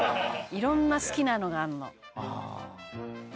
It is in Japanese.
「色んな好きなのがあるの」